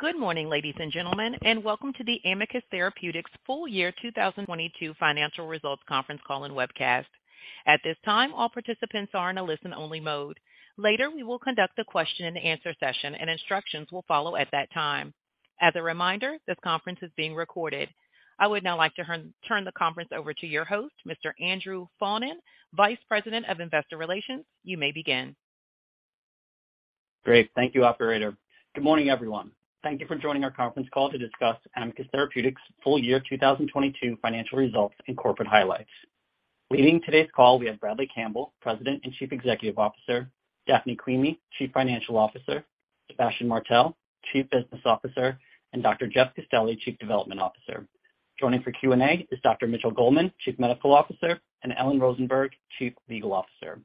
Good morning, ladies and gentlemen, and welcome to the Amicus Therapeutics Full Year 2022 Financial Results Conference Call and Webcast. At this time, all participants are in a listen-only mode. Later, we will conduct a question and answer session and instructions will follow at that time. As a reminder, this conference is being recorded. I would now like to turn the conference over to your host, Mr. Andrew Faughnan, Vice President of Investor Relations. You may begin. Great. Thank you, operator. Good morning, everyone. Thank you for joining our conference call to discuss Amicus Therapeutics' Full Year 2022 Financial Results and Corporate Highlights. Leading today's call, we have Bradley Campbell, President and Chief Executive Officer, Daphne Quimi, Chief Financial Officer, Sébastien Martel, Chief Business Officer, and Dr. Jeff Castelli, Chief Development Officer. Joining for Q&A is Dr. Mitchell Goldman, Chief Medical Officer, and Ellen Rosenberg, Chief Legal Officer.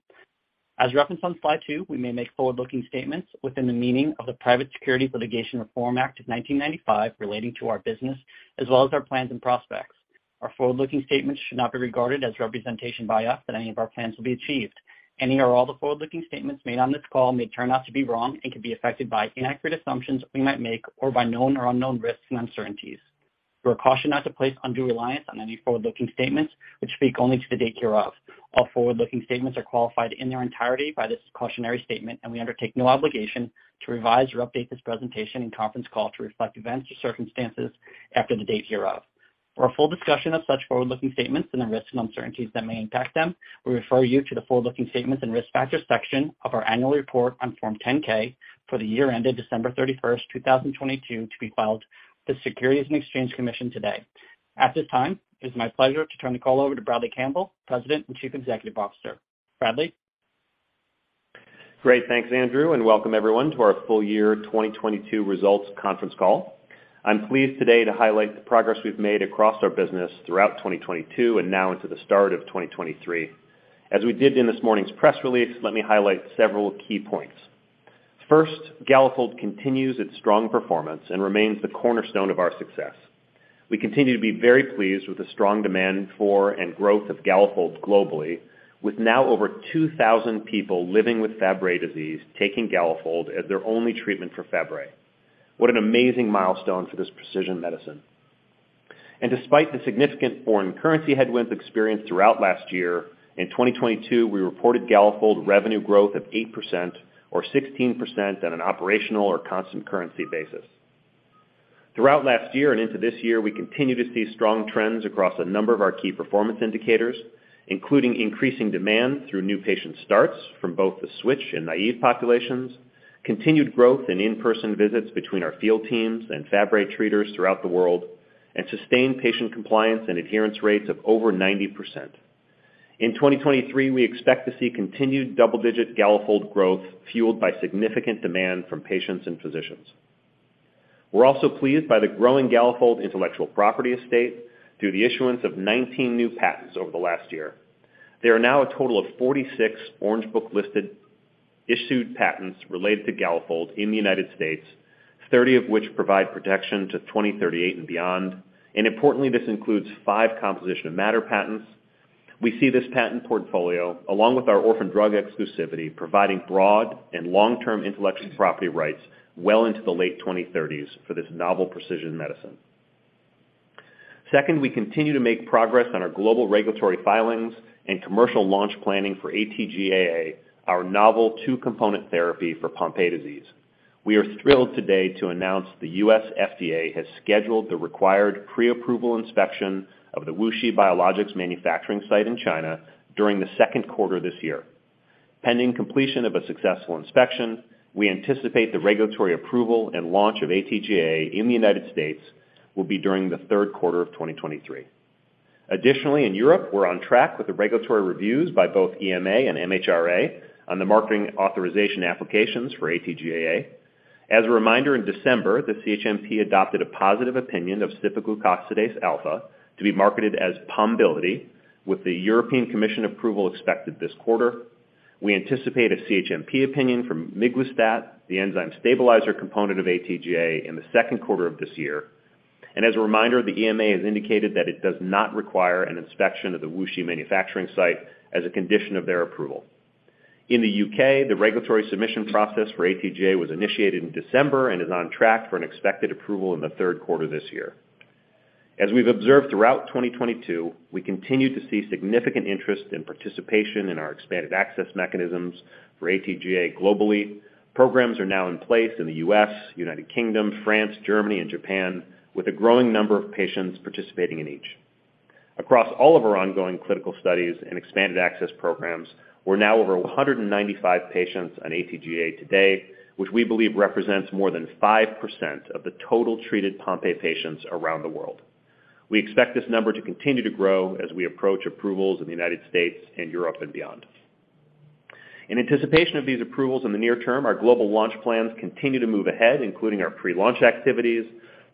As referenced on slide 2, we may make forward-looking statements within the meaning of the Private Securities Litigation Reform Act of 1995 relating to our business as well as our plans and prospects. Our forward-looking statements should not be regarded as representation by us that any of our plans will be achieved. Any or all the forward-looking statements made on this call may turn out to be wrong and could be affected by inaccurate assumptions we might make or by known or unknown risks and uncertainties. We are cautioned not to place undue reliance on any forward-looking statements which speak only to the date hereof. All forward-looking statements are qualified in their entirety by this cautionary statement. We undertake no obligation to revise or update this presentation and conference call to reflect events or circumstances after the date hereof. For a full discussion of such forward-looking statements and the risks and uncertainties that may impact them, we refer you to the forward-looking statements and risk factors section of our annual report on Form 10-K for the year ended December 31, 2022, to be filed with the Securities and Exchange Commission today. At this time, it is my pleasure to turn the call over to Bradley Campbell, President and Chief Executive Officer. Bradley. Great. Thanks, Andrew, welcome everyone to our Full Year 2022 Results Conference Call. I'm pleased today to highlight the progress we've made across our business throughout 2022 and now into the start of 2023. As we did in this morning's press release, let me highlight several key points. First, Galafold continues its strong performance and remains the cornerstone of our success. We continue to be very pleased with the strong demand for and growth of Galafold globally, with now over 2,000 people living with Fabry disease taking Galafold as their only treatment for Fabry. What an amazing milestone for this precision medicine. Despite the significant foreign currency headwinds experienced throughout last year, in 2022, we reported Galafold revenue growth of 8% or 16% on an operational or constant currency basis. Throughout last year and into this year, we continue to see strong trends across a number of our key performance indicators, including increasing demand through new patient starts from both the switch and naive populations, continued growth in in-person visits between our field teams and Fabry treaters throughout the world, and sustained patient compliance and adherence rates of over 90%. In 2023, we expect to see continued double-digit Galafold growth fueled by significant demand from patients and physicians. We're also pleased by the growing Galafold intellectual property estate through the issuance of 19 new patents over the last year. There is now a total of 46 Orange Book listed issued patents related to Galafold in the United States, 30 of which provide protection to 2038 and beyond, and importantly, this includes 5 composition matter patents. We see this patent portfolio, along with our orphan drug exclusivity, providing broad and long-term intellectual property rights well into the late 2030s for this novel precision medicine. Second, we continue to make progress on our global regulatory filings and commercial launch planning for AT-GAA, our novel two-component therapy for Pompe disease. We are thrilled today to announce the US FDA has scheduled the required pre-approval inspection of the WuXi Biologics manufacturing site in China during the second quarter this year. Pending completion of a successful inspection, we anticipate the regulatory approval and launch of AT-GAA in the United States will be during the 3Q of 2023. In Europe, we're on track with the regulatory reviews by both EMA and MHRA on the marketing authorization applications for AT-GAA. As a reminder, in December, the CHMP adopted a positive opinion of cipaglucosidase alfa to be marketed as Pombiliti, with the European Commission approval expected this quarter. We anticipate a CHMP opinion from miglustat, the enzyme stabilizer component of AT-GAA, in the second quarter of this year. As a reminder, the EMA has indicated that it does not require an inspection of the WuXi manufacturing site as a condition of their approval. In the U.K., the regulatory submission process for AT-GAA was initiated in December and is on track for an expected approval in the third quarter this year. As we've observed throughout 2022, we continue to see significant interest in participation in our expanded access mechanisms for AT-GAA globally. Programs are now in place in the U.S., United Kingdom, France, Germany, and Japan, with a growing number of patients participating in each. Across all of our ongoing clinical studies and expanded access programs, we're now over 195 patients on AT-GAA today, which we believe represents more than 5% of the total treated Pompe patients around the world. We expect this number to continue to grow as we approach approvals in the United States and Europe and beyond. In anticipation of these approvals in the near term, our global launch plans continue to move ahead, including our pre-launch activities,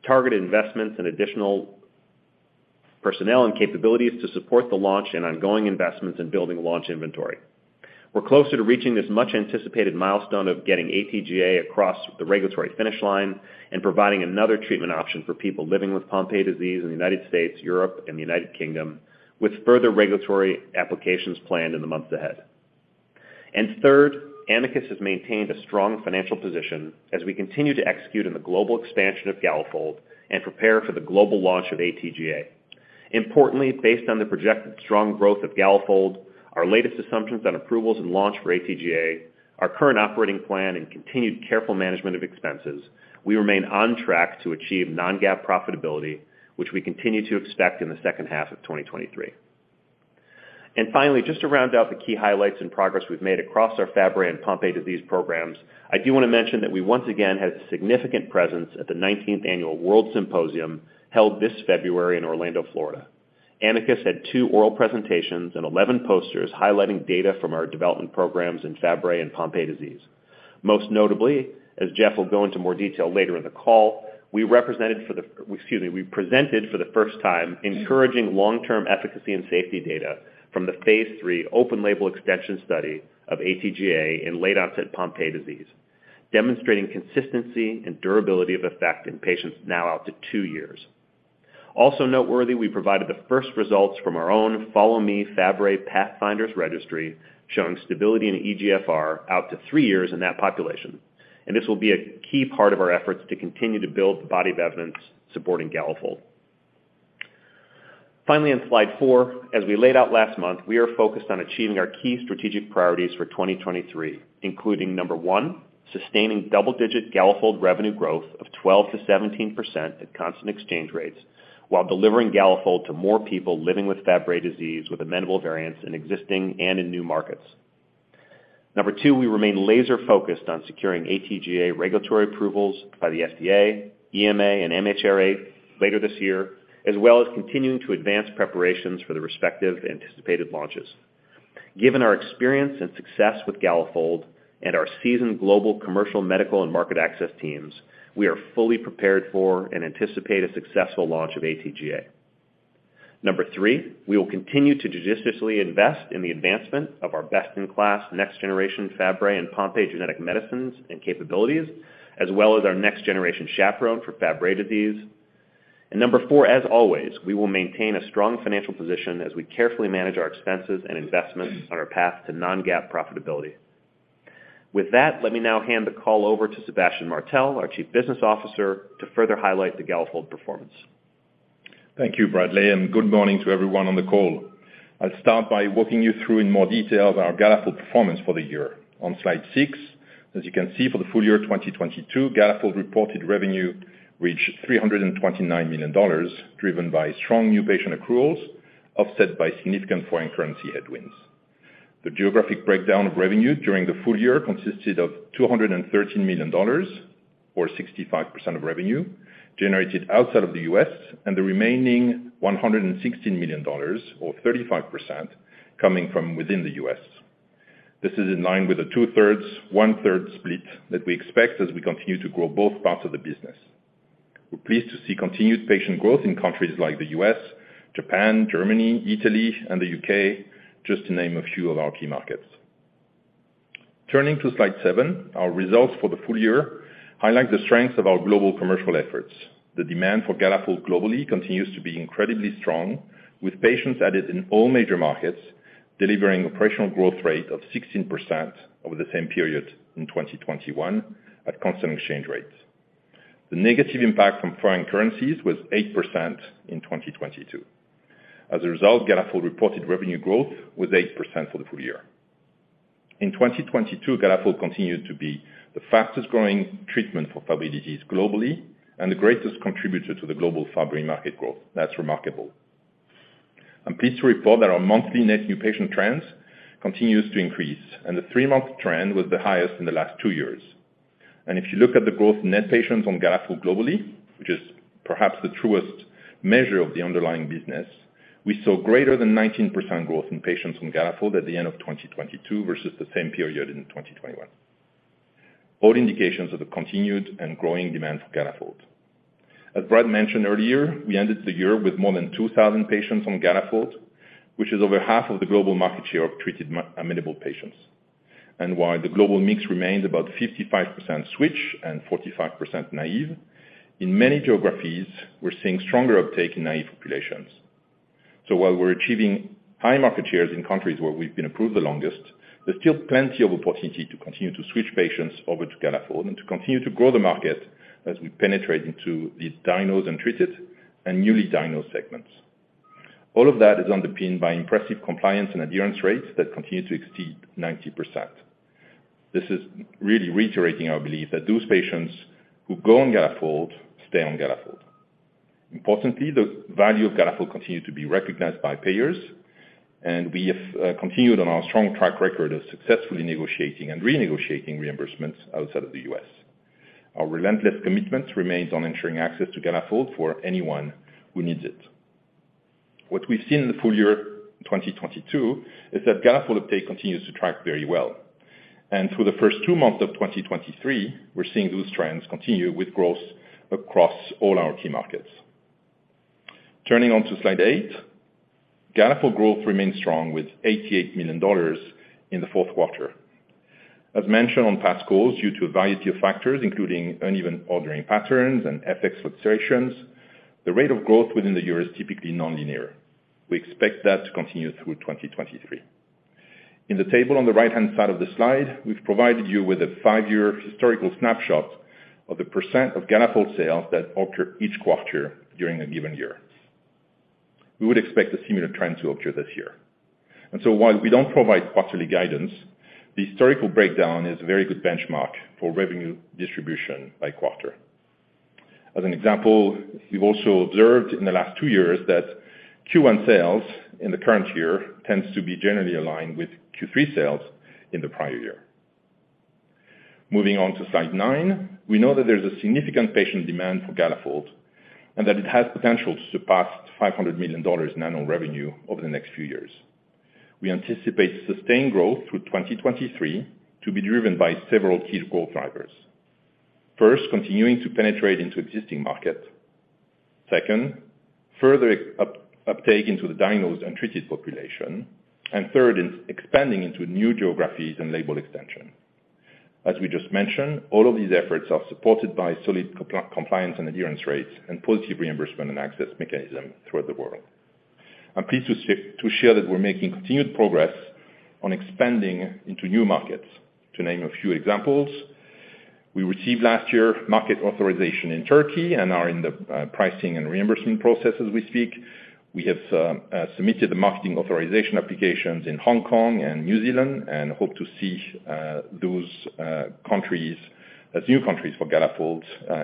targeted investments, and additional personnel and capabilities to support the launch and ongoing investments in building launch inventory. We're closer to reaching this much-anticipated milestone of getting AT-GAA across the regulatory finish line and providing another treatment option for people living with Pompe disease in the United States, Europe, and the United Kingdom, with further regulatory applications planned in the months ahead. Third, Amicus has maintained a strong financial position as we continue to execute on the global expansion of Galafold and prepare for the global launch of AT-GAA. Importantly, based on the projected strong growth of Galafold, our latest assumptions on approvals and launch for AT-GAA, our current operating plan and continued careful management of expenses, we remain on track to achieve non-GAAP profitability, which we continue to expect in the second half of 2023. Finally, just to round out the key highlights and progress we've made across our Fabry and Pompe disease programs, I do wanna mention that we once again had a significant presence at the 19th annual WORLDSymposium held this February in Orlando, Florida. Amicus had 2 oral presentations and 11 posters highlighting data from our development programs in Fabry and Pompe disease. Most notably, as Jeff will go into more detail later in the call, excuse me, we presented for the first time encouraging long-term efficacy and safety data from the phase 3 open label extension study of AT-GAA in late-onset Pompe disease, demonstrating consistency and durability of effect in patients now out to 2 years. Also noteworthy, we provided the first results from our own followME Fabry Pathfinders Registry, showing stability in eGFR out to 3 years in that population. This will be a key part of our efforts to continue to build the body of evidence supporting Galafold. Finally, on slide 4, as we laid out last month, we are focused on achieving our key strategic priorities for 2023, including, number 1, sustaining double-digit Galafold revenue growth of 12%-17% at constant exchange rates while delivering Galafold to more people living with Fabry disease with amenable variants in existing and in new markets. Number 2, we remain laser-focused on securing AT-GAA regulatory approvals by the FDA, EMA, and MHRA later this year, as well as continuing to advance preparations for the respective anticipated launches. Given our experience and success with Galafold and our seasoned global commercial medical and market access teams, we are fully prepared for and anticipate a successful launch of AT-GAA.Number three, we will continue to judiciously invest in the advancement of our best-in-class next generation Fabry and Pompe genetic medicines and capabilities, as well as our next generation chaperone for Fabry disease. Number four, as always, we will maintain a strong financial position as we carefully manage our expenses and investments on our path to non-GAAP profitability. With that, let me now hand the call over to Sébastien Martel, our Chief Business Officer, to further highlight the Galafold performance. Thank you, Bradley, and good morning to everyone on the call. I'll start by walking you through in more detail our Galafold performance for the year. On slide 6, as you can see for the full year 2022, Galafold reported revenue reached $329 million, driven by strong new patient accruals, offset by significant foreign currency headwinds. The geographic breakdown of revenue during the full year consisted of $213 million, or 65% of revenue, generated outside of the U.S., and the remaining $116 million, or 35%, coming from within the U.S. This is in line with the 2/3, 1/3 split that we expect as we continue to grow both parts of the business. We're pleased to see continued patient growth in countries like the U.S., Japan, Germany, Italy, and the U.K., just to name a few of our key markets. Turning to slide 7, our results for the full year highlight the strengths of our global commercial efforts. The demand for Galafold globally continues to be incredibly strong, with patients added in all major markets, delivering operational growth rate of 16% over the same period in 2021 at constant exchange rates. The negative impact from foreign currencies was 8% in 2022. As a result, Galafold reported revenue growth was 8% for the full year. In 2022, Galafold continued to be the fastest-growing treatment for Fabry disease globally and the greatest contributor to the global Fabry market growth. That's remarkable. I'm pleased to report that our monthly net new patient trends continues to increase, the 3-month trend was the highest in the last 2 years. If you look at the growth in net patients on Galafold globally, which is perhaps the truest measure of the underlying business, we saw greater than 19% growth in patients on Galafold at the end of 2022 versus the same period in 2021. All indications of the continued and growing demand for Galafold. As Brad mentioned earlier, we ended the year with more than 2,000 patients on Galafold, which is over half of the global market share of treated amenable patients. While the global mix remains about 55% switch and 45% naive, in many geographies, we're seeing stronger uptake in naive populations. While we're achieving high market shares in countries where we've been approved the longest, there's still plenty of opportunity to continue to switch patients over to Galafold and to continue to grow the market as we penetrate into these diagnosed and treated and newly diagnosed segments. All of that is underpinned by impressive compliance and adherence rates that continue to exceed 90%. This is really reiterating our belief that those patients who go on Galafold stay on Galafold. Importantly, the value of Galafold continued to be recognized by payers, and we have continued on our strong track record of successfully negotiating and renegotiating reimbursements outside of the U.S. Our relentless commitment remains on ensuring access to Galafold for anyone who needs it. What we've seen in the full year 2022 is that Galafold uptake continues to track very well. Through the first two months of 2023, we're seeing those trends continue with growth across all our key markets. Turning on to slide 8, Galafold growth remains strong with $88 million in the fourth quarter. As mentioned on past calls, due to a variety of factors, including uneven ordering patterns and FX fluctuations, the rate of growth within the year is typically nonlinear. We expect that to continue through 2023. In the table on the right-hand side of the slide, we've provided you with a 5-year historical snapshot of the % of Galafold sales that occur each quarter during a given year. We would expect a similar trend to occur this year. While we don't provide quarterly guidance, the historical breakdown is a very good benchmark for revenue distribution by quarter. As an example, we've also observed in the last two years that Q1 sales in the current year tends to be generally aligned with Q3 sales in the prior year. Moving on to slide nine. We know that there's a significant patient demand for Galafold and that it has potential to surpass $500 million in annual revenue over the next few years. We anticipate sustained growth through 2023 to be driven by several key growth drivers. First, continuing to penetrate into existing market. Second, further uptake into the diagnosed and treated population. Third, in expanding into new geographies and label extension. As we just mentioned, all of these efforts are supported by solid compliance and adherence rates and positive reimbursement and access mechanism throughout the world. I'm pleased to share that we're making continued progress on expanding into new markets. To name a few examples, we received last year market authorization in Turkey and are in the pricing and reimbursement process as we speak. We have submitted the marketing authorization applications in Hong Kong and New Zealand and hope to see those countries as new countries for Galafold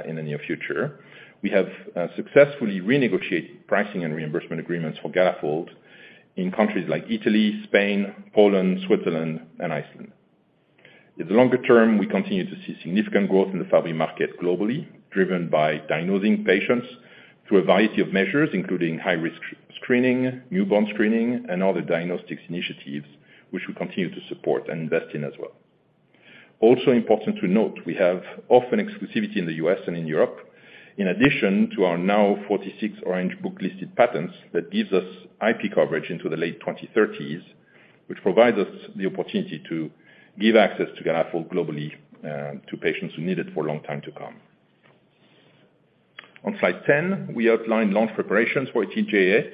in the near future. We have successfully renegotiated pricing and reimbursement agreements for Galafold in countries like Italy, Spain, Poland, Switzerland, and Iceland. In the longer term, we continue to see significant growth in the Fabry market globally, driven by diagnosing patients through a variety of measures, including high-risk screening, newborn screening, and other diagnostics initiatives, which we continue to support and invest in as well. Important to note, we have orphan exclusivity in the U.S. and in Europe. In addition to our now 46 Orange Book-listed patents, that gives us IP coverage into the late 2030s, which provides us the opportunity to give access to Galafold globally, to patients who need it for a long time to come. On slide 10, we outlined launch preparations for AT-GAA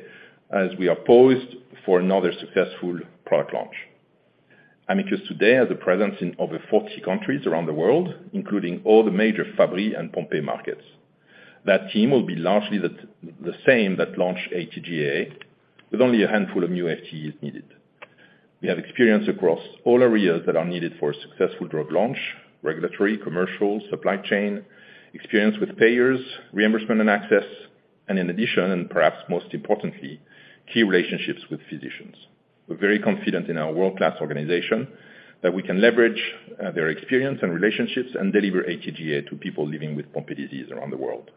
as we are poised for another successful product launch. Amicus today has a presence in over 40 countries around the world, including all the major Fabry and Pompe markets. That team will be largely the same that launched AT-GAA, with only a handful of new FTEs needed. We have experience across all areas that are needed for a successful drug launch, regulatory, commercial, supply chain, experience with payers, reimbursement and access, and in addition, and perhaps most importantly, key relationships with physicians. We're very confident in our world-class organization that we can leverage their experience and relationships and deliver AT-GAA to people living with Pompe disease around the world.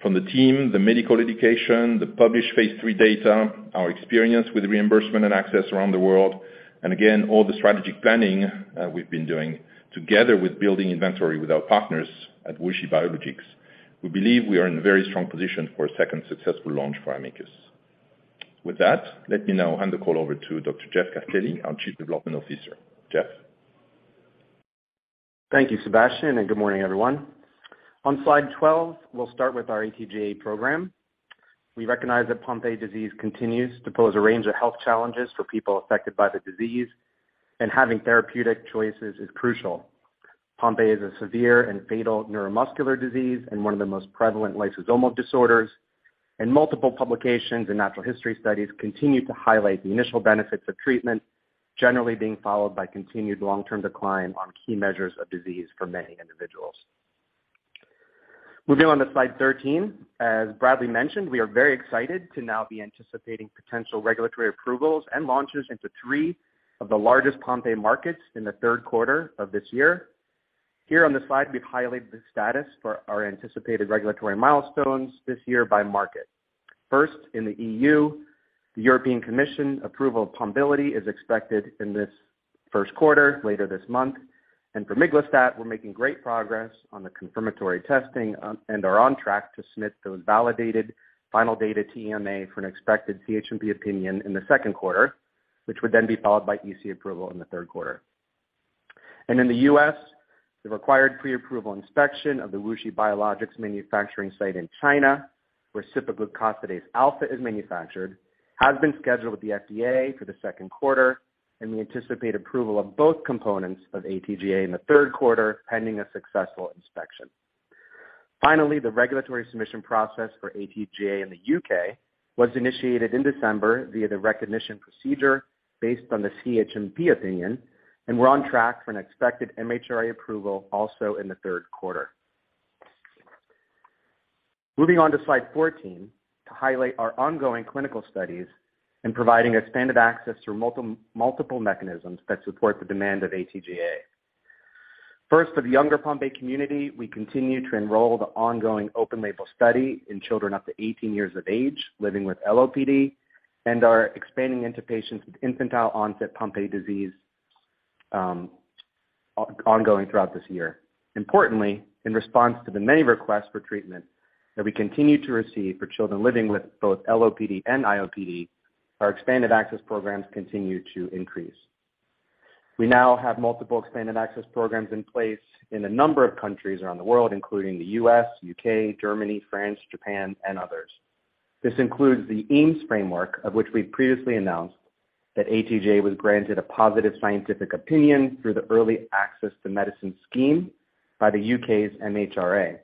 From the team, the medical education, the published phase 3 data, our experience with reimbursement and access around the world, and again, all the strategic planning we've been doing together with building inventory with our partners at WuXi Biologics, we believe we are in a very strong position for a second successful launch for Amicus. With that, let me now hand the call over to Dr. Jeff Castelli, our Chief Development Officer. Jeff? Thank you, Sébastien. Good morning, everyone. On slide 12, we'll start with our AT-GAA program. We recognize that Pompe disease continues to pose a range of health challenges for people affected by the disease. Having therapeutic choices is crucial. Pompe is a severe and fatal neuromuscular disease and one of the most prevalent lysosomal disorders. Multiple publications and natural history studies continue to highlight the initial benefits of treatment generally being followed by continued long-term decline on key measures of disease for many individuals. Moving on to slide 13. As Bradley mentioned, we are very excited to now be anticipating potential regulatory approvals and launches into 3 of the largest Pompe markets in the 3rd quarter of this year. Here on the slide, we've highlighted the status for our anticipated regulatory milestones this year by market. First, in the EU, the European Commission approval of Pombiliti is expected in this 1st quarter, later this month. For miglustat, we're making great progress on the confirmatory testing and are on track to submit those validated final data to EMA for an expected CHMP opinion in the 2nd quarter, which would then be followed by EC approval in the 3rd quarter. In the U.S., the required pre-approval inspection of the WuXi Biologics manufacturing site in China, where cipaglucosidase alfa is manufactured, has been scheduled with the FDA for the 2nd quarter, and we anticipate approval of both components of AT-GAA in the 3rd quarter, pending a successful inspection. Finally, the regulatory submission process for AT-GAA in the U.K. was initiated in December via the recognition procedure based on the CHMP opinion, and we're on track for an expected MHRA approval also in the 3rd quarter. Moving on to slide 14 to highlight our ongoing clinical studies in providing expanded access through multiple mechanisms that support the demand of AT-GAA. First, for the younger Pompe community, we continue to enroll the ongoing open label study in children up to 18 years of age living with LOPD and are expanding into patients with infantile-onset Pompe disease, ongoing throughout this year. Importantly, in response to the many requests for treatment that we continue to receive for children living with both LOPD and IOPD, our expanded access programs continue to increase. We now have multiple expanded access programs in place in a number of countries around the world, including the U.S., U.K., Germany, France, Japan and others. This includes the EAMS framework, of which we previously announced that AT-GAA was granted a positive scientific opinion through the early access to medicine scheme by the U.K.'s MHRA.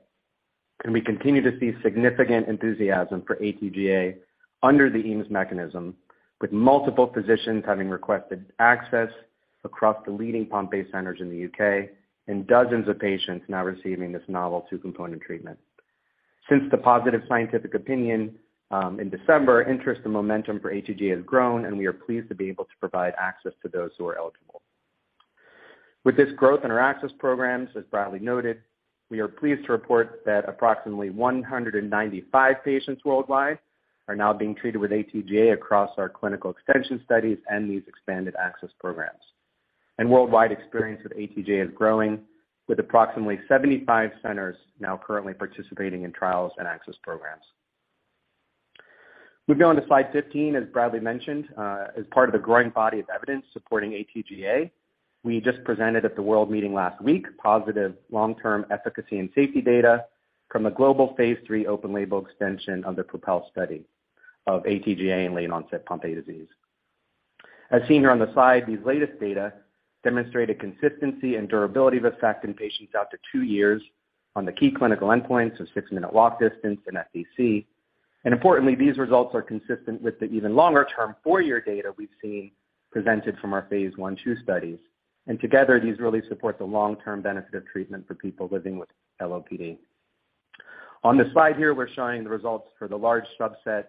We continue to see significant enthusiasm for AT-GAA under the EAMS mechanism, with multiple physicians having requested access across the leading Pompe centers in the U.K. and dozens of patients now receiving this novel two-component treatment. Since the positive scientific opinion in December, interest and momentum for AT-GAA has grown, and we are pleased to be able to provide access to those who are eligible. With this growth in our access programs, as Bradley noted, we are pleased to report that approximately 195 patients worldwide are now being treated with AT-GAA across our clinical extension studies and these expanded access programs. Worldwide experience with AT-GAA is growing with approximately 75 centers now currently participating in trials and access programs. Moving on to slide 15. As Bradley mentioned, as part of the growing body of evidence supporting AT-GAA, we just presented at the WORLDSymposium last week, positive long-term efficacy and safety data from a global phase 3 open label extension of the PROPEL study of AT-GAA in late-onset Pompe disease. As seen here on the slide, these latest data demonstrated consistency and durability of effect in patients after 2 years on the key clinical endpoints of six-minute walk distance and FVC. Importantly, these results are consistent with the even longer term 4-year data we've seen presented from our phase 1/2 studies. Together these really support the long-term benefit of treatment for people living with LOPD. On the slide here, we're showing the results for the large subset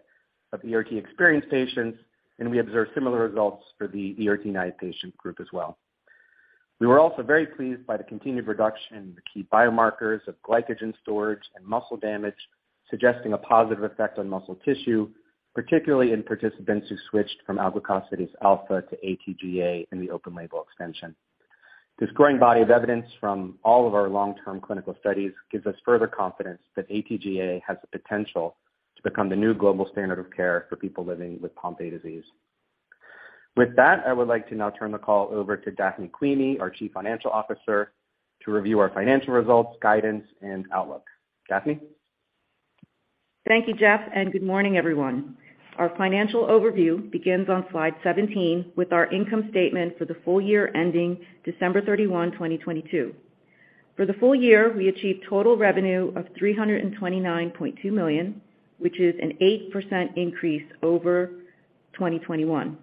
of ERT experienced patients, and we observe similar results for the ERT naive patient group as well. We were also very pleased by the continued reduction in the key biomarkers of glycogen storage and muscle damage, suggesting a positive effect on muscle tissue, particularly in participants who switched from alglucosidase alfa to AT-GAA in the open label extension. This growing body of evidence from all of our long-term clinical studies gives us further confidence that AT-GAA has the potential to become the new global standard of care for people living with Pompe disease. With that, I would like to now turn the call over to Daphne Quimi, our Chief Financial Officer, to review our financial results, guidance, and outlook. Daphne. Thank you, Jeff, and good morning everyone. Our financial overview begins on slide 17 with our income statement for the full year ending December 31, 2022. For the full year, we achieved total revenue of $329.2 million, which is an 8% increase over 2021.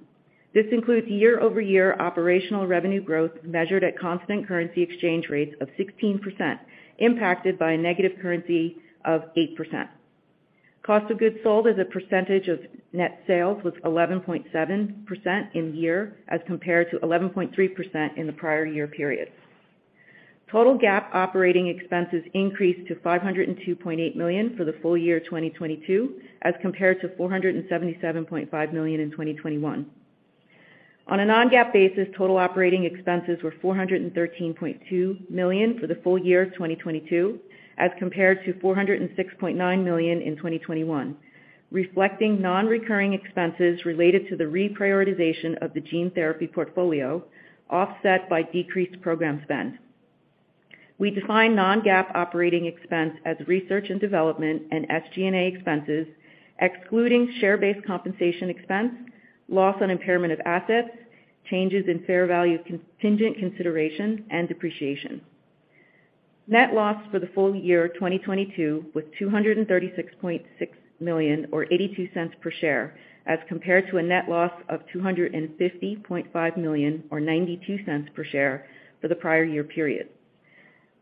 This includes year-over-year operational revenue growth measured at constant currency exchange rates of 16%, impacted by a negative currency of 8%. Cost of goods sold as a percentage of net sales was 11.7% in year, as compared to 11.3% in the prior year period. Total GAAP operating expenses increased to $502.8 million for the full year 2022, as compared to $477.5 million in 2021. On a non-GAAP basis, total operating expenses were $413.2 million for the full year of 2022 as compared to $406.9 million in 2021, reflecting non-recurring expenses related to the reprioritization of the gene therapy portfolio, offset by decreased program spend. We define non-GAAP operating expense as research and development and SG&A expenses, excluding share-based compensation expense, loss on impairment of assets, changes in fair value of contingent consideration and depreciation. Net loss for the full year 2022 was $236.6 million, or $0.82 per share, as compared to a net loss of $250.5 million, or $0.92 per share for the prior year period.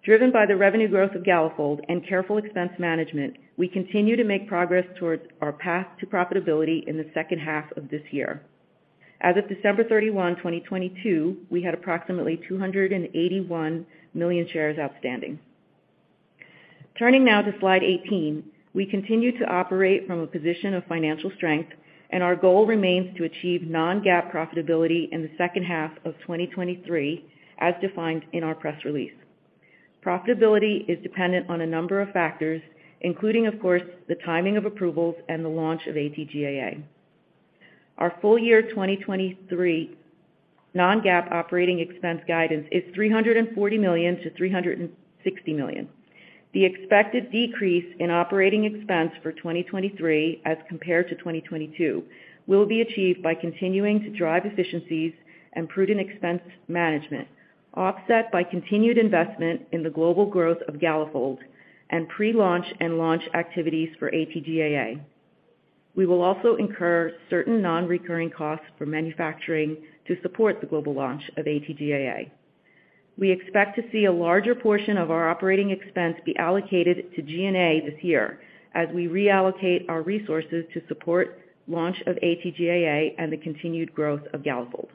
Driven by the revenue growth of Galafold and careful expense management, we continue to make progress towards our path to profitability in the second half of this year. As of December 31, 2022, we had approximately 281 million shares outstanding. Turning now to slide 18. Our goal remains to achieve non-GAAP profitability in the second half of 2023, as defined in our press release. Profitability is dependent on a number of factors, including of course, the timing of approvals and the launch of AT-GAA. Our full year 2023 non-GAAP operating expense guidance is $340 million-$360 million. The expected decrease in operating expense for 2023 as compared to 2022, will be achieved by continuing to drive efficiencies and prudent expense management, offset by continued investment in the global growth of Galafold and pre-launch and launch activities for AT-GAA. We will also incur certain non-recurring costs for manufacturing to support the global launch of AT-GAA. We expect to see a larger portion of our operating expense be allocated to G&A this year as we reallocate our resources to support launch of AT-GAA and the continued growth of Galafold.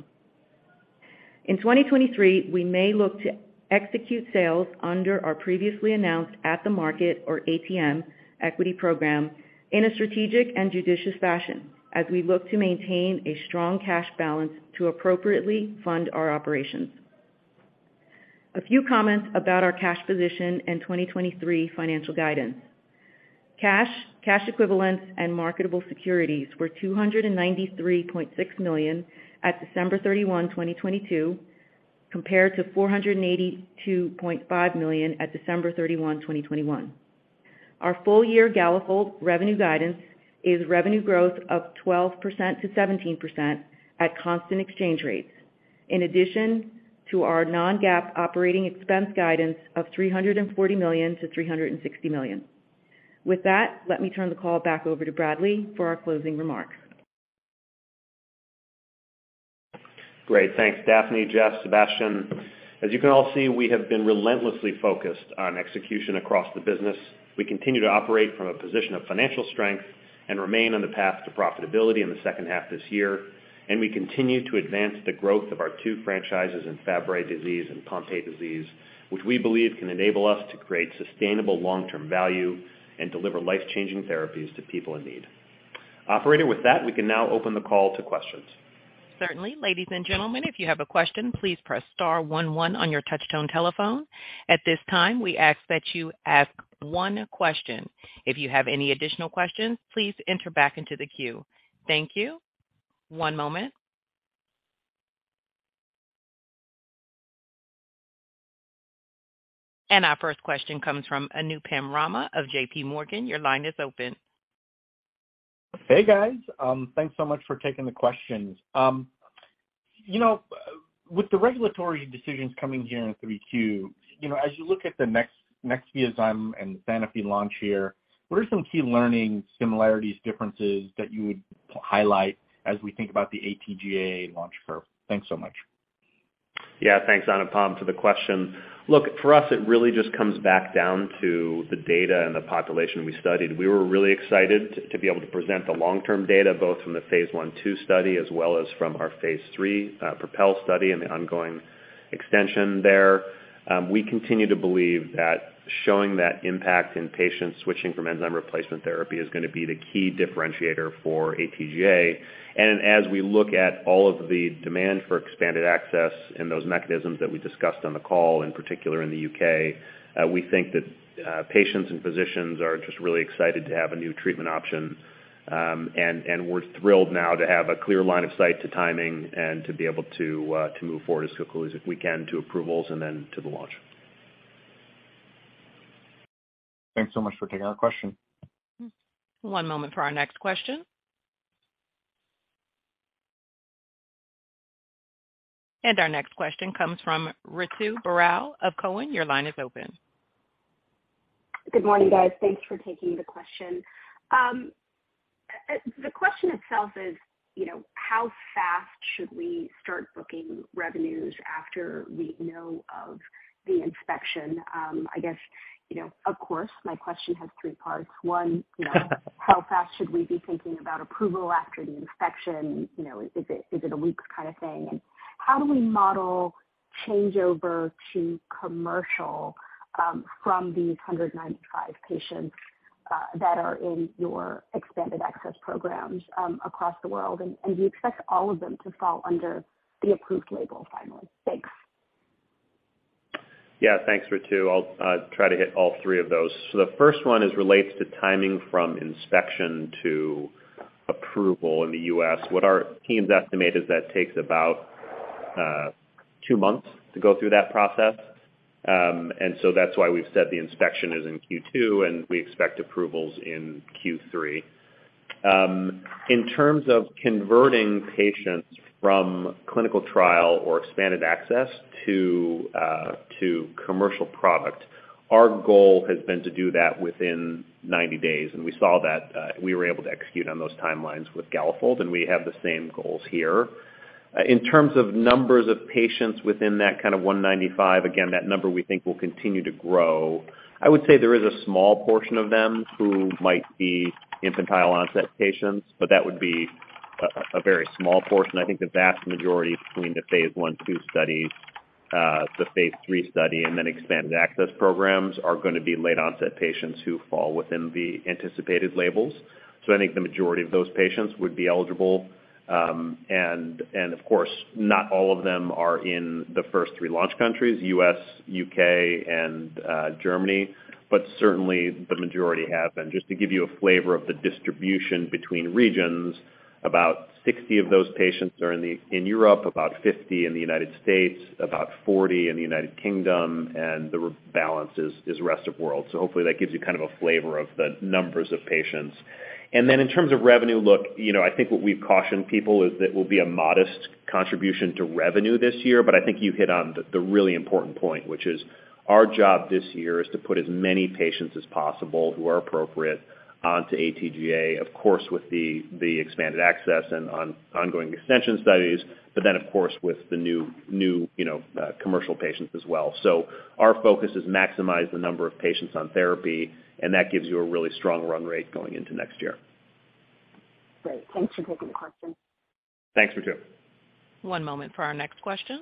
In 2023, we may look to execute sales under our previously announced at the market or ATM equity program in a strategic and judicious fashion as we look to maintain a strong cash balance to appropriately fund our operations. A few comments about our cash position and 2023 financial guidance. Cash, cash equivalents and marketable securities were $293.6 million at December 31, 2022, compared to $482.5 million at December 31, 2021. Our full year Galafold revenue guidance is revenue growth of 12%-17% at constant exchange rates. In addition to our non-GAAP operating expense guidance of $340 million-$360 million. With that, let me turn the call back over to Bradley for our closing remarks. Great. Thanks, Daphne, Jeff, Sébastien. As you can all see, we have been relentlessly focused on execution across the business. We continue to operate from a position of financial strength and remain on the path to profitability in the second half this year. We continue to advance the growth of our two franchises in Fabry disease and Pompe disease, which we believe can enable us to create sustainable long-term value and deliver life-changing therapies to people in need. Operator, with that, we can now open the call to questions. Certainly. Ladies and gentlemen, if you have a question, please press star one one on your touch-tone telephone. At this time, we ask that you ask 1 question. If you have any additional questions, please enter back into the queue. Thank you. One moment. Our first question comes from Anupam Rama of J.P. Morgan. Your line is open. Hey, guys. Thanks so much for taking the questions. You know, with the regulatory decisions coming here in 3Q, you know, as you look at the next year's Enzyme and Sanofi launch here, what are some key learnings, similarities, differences that you would highlight as we think about the AT-GAA launch curve? Thanks so much. Yeah. Thanks, Anupam, for the question. Look, for us, it really just comes back down to the data and the population we studied. We were really excited to be able to present the long-term data, both from the phase 1/2 study as well as from our phase 3 PROPEL study and the ongoing extension there. We continue to believe that showing that impact in patients switching from enzyme replacement therapy is gonna be the key differentiator for AT-GAA. As we look at all of the demand for expanded access and those mechanisms that we discussed on the call, in particular in the U.K., we think that patients and physicians are just really excited to have a new treatment option. We're thrilled now to have a clear line of sight to timing and to be able to move forward as quickly as we can to approvals and then to the launch. Thanks so much for taking our question. One moment for our next question. Our next question comes from Ritu Baral of Cowen. Your line is open. Good morning, guys. Thanks for taking the question. The question itself is, you know, how fast should we start booking revenues after we know of the inspection? I guess, you know, of course, my question has three parts. One, you know, how fast should we be thinking about approval after the inspection? You know, is it a weeks kind of thing? How do we model changeover to commercial from these 195 patients that are in your expanded access programs across the world? Do you expect all of them to fall under the approved label finally? Thanks. Yeah. Thanks, Ritu. I'll try to hit all three of those. The first one is relates to timing from inspection to approval in the U.S. What our teams estimate is that takes about 2 months to go through that process. That's why we've said the inspection is in Q2, and we expect approvals in Q3. In terms of converting patients from clinical trial or expanded access to commercial product, our goal has been to do that within 90 days. We saw that we were able to execute on those timelines with Galafold, and we have the same goals here. In terms of numbers of patients within that kind of 195, again, that number we think will continue to grow. I would say there is a small portion of them who might be infantile-onset patients. That would be a very small portion. I think the vast majority between the phase one, two studies, the phase three study and then expanded access programs are gonna be late-onset patients who fall within the anticipated labels. I think the majority of those patients would be eligible. Of course, not all of them are in the first three launch countries, U.S., U.K., and Germany, but certainly the majority have been. To give you a flavor of the distribution between regions, about 60 of those patients are in Europe, about 50 in the United States, about 40 in the United Kingdom, and the balance is rest of world. Hopefully that gives you kind of a flavor of the numbers of patients. In terms of revenue, look, you know, I think what we've cautioned people is that it will be a modest contribution to revenue this year. I think you hit on the really important point, which is our job this year is to put as many patients as possible who are appropriate onto AT-GAA, of course, with the expanded access and ongoing extension studies, of course, with the new, you know, commercial patients as well. Our focus is maximize the number of patients on therapy, and that gives you a really strong run rate going into next year. Great. Thanks for taking the question. Thanks, Ritu. One moment for our next question.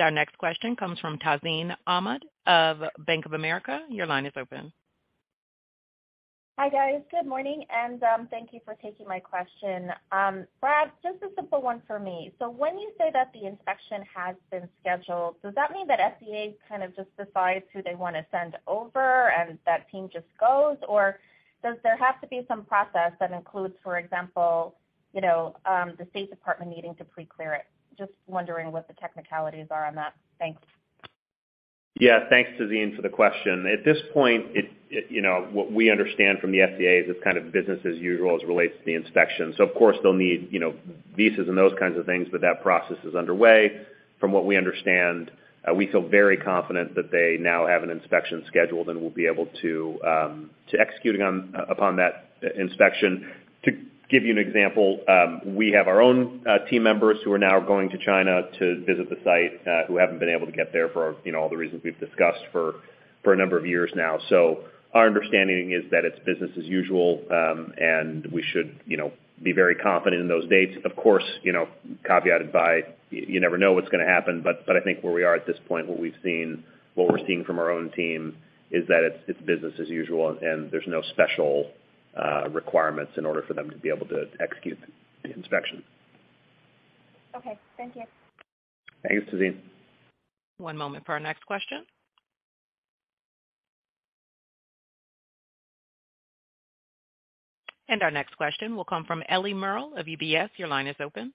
Our next question comes from Tazeen Ahmad of Bank of America. Your line is open. Hi, guys. Good morning, and thank you for taking my question. Brad, just a simple one for me. When you say that the inspection has been scheduled, does that mean that FDA kind of just decides who they wanna send over and that team just goes, or does there have to be some process that includes, for example, you know, the State Department needing to pre-clear it? Just wondering what the technicalities are on that. Thanks. Yeah. Thanks, Tazeen, for the question. At this point, you know, what we understand from the FDA is it's kind of business as usual as it relates to the inspection. Of course they'll need, you know, visas and those kinds of things, but that process is underway. From what we understand, we feel very confident that they now have an inspection scheduled, and we'll be able to execute on upon that inspection. To give you an example, we have our own team members who are now going to China to visit the site, who haven't been able to get there for, you know, all the reasons we've discussed for a number of years now. Our understanding is that it's business as usual, and we should, you know, be very confident in those dates. Of course, you know, caveated by you never know what's gonna happen, but I think where we are at this point, what we've seen, what we're seeing from our own team is that it's business as usual and there's no special requirements in order for them to be able to execute the inspection. Okay. Thank you. Thanks, Tazeen. One moment for our next question. Our next question will come from Ellie Merle of UBS. Your line is open.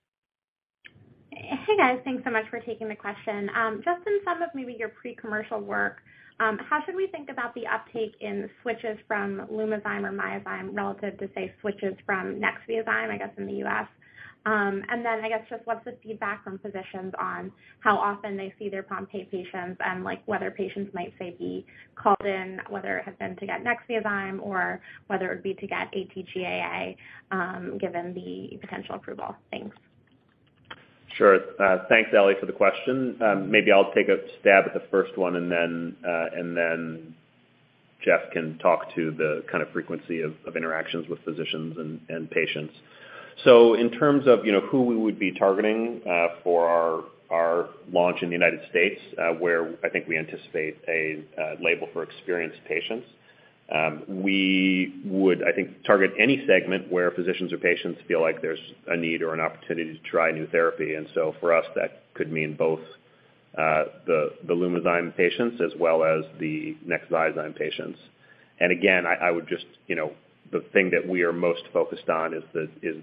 Hey, guys. Thanks so much for taking the question. Just in some of maybe your pre-commercial work, how should we think about the uptake in switches from Lumizyme or Myozyme relative to, say, switches from Nexviazyme, I guess, in the U.S.? I guess just what's the feedback from physicians on how often they see their Pompe patients and, like, whether patients might, say, be called in, whether it has been to get Nexviazyme or whether it would be to get AT-GAA, given the potential approval? Thanks. Sure. Thanks, Ellie, for the question. Maybe I'll take a stab at the first one, and then Jeff can talk to the kind of frequency of interactions with physicians and patients. In terms of, you know, who we would be targeting for our launch in the United States, where I think we anticipate a label for experienced patients, we would, I think, target any segment where physicians or patients feel like there's a need or an opportunity to try a new therapy. For us, that could mean both the Lumizyme patients as well as the Nexviazyme patients. Again, I would just... You know, the thing that we are most focused on is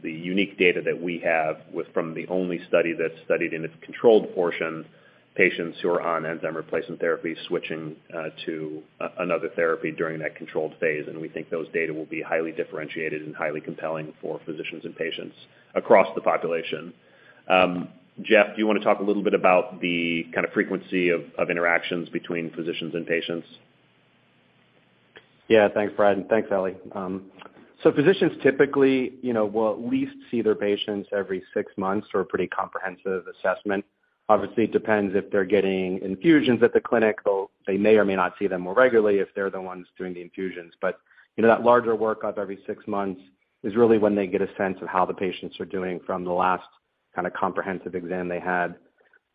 the unique data that we have from the only study that studied in its controlled portion, patients who are on enzyme replacement therapy switching to another therapy during that controlled phase. We think those data will be highly differentiated and highly compelling for physicians and patients across the population. Jeff, do you wanna talk a little bit about the kind of frequency of interactions between physicians and patients? Yeah. Thanks, Brad, and thanks, Ellie. Physicians typically, you know, will at least see their patients every six months for a pretty comprehensive assessment. Obviously, it depends if they're getting infusions at the clinic, they may or may not see them more regularly if they're the ones doing the infusions. You know, that larger workup every six months is really when they get a sense of how the patients are doing from the last kind of comprehensive exam they had.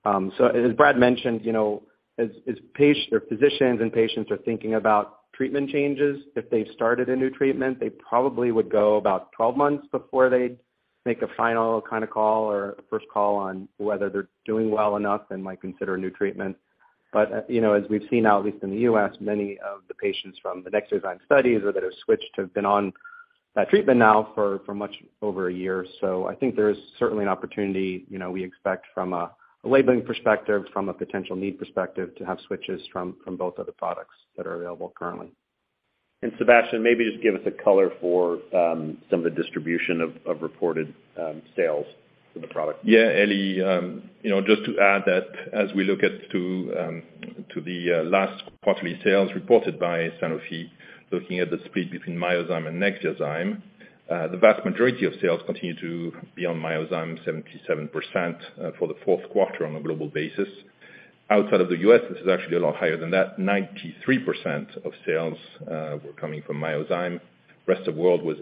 As Brad mentioned, you know, as physicians and patients are thinking about treatment changes, if they've started a new treatment, they probably would go about 12 months before they'd make a final kind of call or a first call on whether they're doing well enough and might consider a new treatment. You know, as we've seen now, at least in the U.S., many of the patients from the Nexviazyme studies or that have switched have been on that treatment now for much over a year. I think there's certainly an opportunity, you know, we expect from a labeling perspective, from a potential need perspective, to have switches from both of the products that are available currently. Sébastien, maybe just give us a color for some of the distribution of reported sales for the product. Yeah, Ellie. You know, just to add that as we look to the last quarterly sales reported by Sanofi, looking at the split between Myozyme and Nexviazyme, the vast majority of sales continue to be on Myozyme, 77% for the fourth quarter on a global basis. Outside of the US, this is actually a lot higher than that. 93% of sales were coming from Myozyme. Rest of world was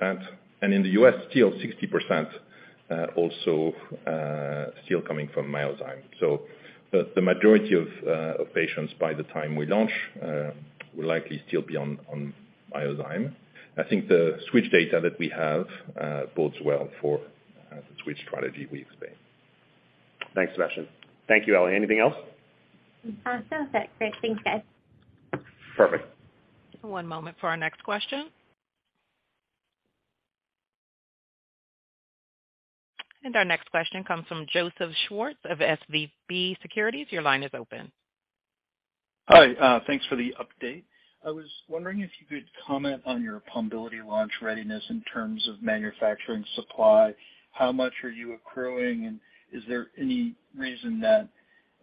85%. In the US, still 60% also still coming from Myozyme. The majority of patients by the time we launch will likely still be on Myozyme. I think the switch data that we have bodes well for the switch strategy we expect. Thanks, Sébastien. Thank you, Ellie. Anything else? Sounds perfect. Great. Thanks, guys. Perfect. One moment for our next question. Our next question comes from Joseph Schwartz of SVB Securities. Your line is open. Hi. Thanks for the update. I was wondering if you could comment on your Pombiliti launch readiness in terms of manufacturing supply. How much are you accruing, and is there any reason that